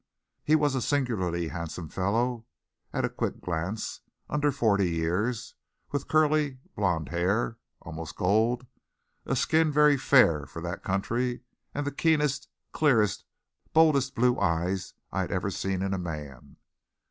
He was a singularly handsome fellow, at a quick glance, under forty years, with curly, blond hair, almost gold, a skin very fair for that country, and the keenest, clearest, boldest blue eyes I had ever seen in a man.